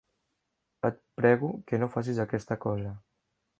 Et prego que no facis aquesta cosa.